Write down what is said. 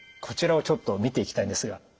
こちらをちょっと見ていきたいんですが。